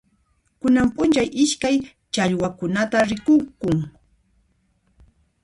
Kunan p'unchay iskay challwaqkunata rikukun.